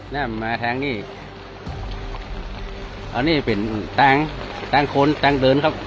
แล้วมาแทงนี่อันนี้เป็นแตงแตงคนแตงเดินครับ